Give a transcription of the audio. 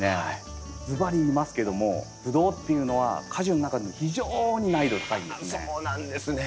ずばり言いますけどもブドウっていうのは果樹の中でも非常に難易度が高いんですね。